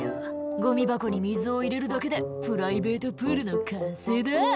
「ゴミ箱に水を入れるだけでプライベートプールの完成だ」